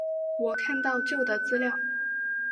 我看到旧的资料